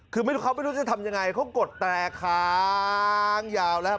คือไม่รู้เขาไม่รู้จะทำยังไงเขากดแตรค้างยาวแล้ว